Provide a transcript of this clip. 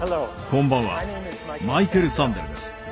こんばんはマイケル・サンデルです。